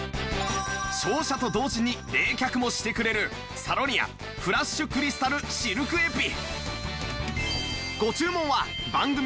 照射と同時に冷却もしてくれるサロニアフラッシュクリスタルシルクエピ